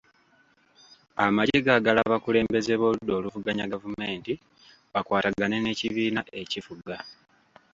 Amagye gaagala abakulembeze b'oludda oluvuganya gavumenti bakwatagane n'ekibiina ekifuga.